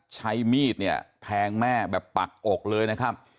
ใช้มีดเนี่ยแทงแม่แบบปักอกเลยนะครับ